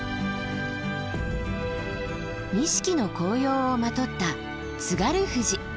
錦の紅葉をまとった津軽富士。